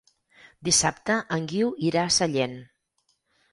Dissabte en Guiu irà a Sallent.